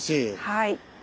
はい。